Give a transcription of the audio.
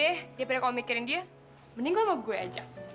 udah deh daripada kamu mikirin dia mending lo sama gue aja